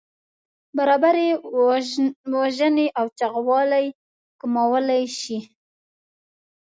برابري وژنې او چاغوالی کمولی شي.